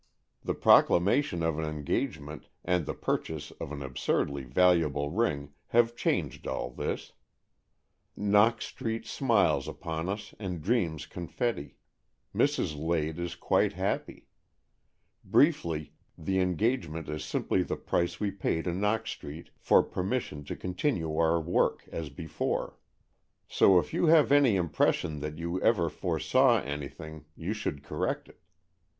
The proclamation of an engagement, and the purchase of an absurdly valuable ring, have changed all this. Knox 66 AN EXCHANGE OF SOULS Street smiles upon us, and dreams confetti. Mrs. Lade is quite happy. Briefly, the engagement is simply the price we pay to Knox Street for permission to continue our work as before. So if you have any impres sion that you ever foresaw anything you should correct it.